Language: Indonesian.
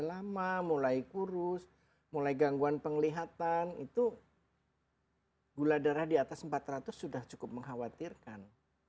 lama mulai kurus mulai gangguan penglihatan itu gula darah di atas empat ratus sudah cukup mengkhawatirkan